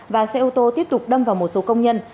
và xe ô tô tiếp tục đâm vào một số công nhân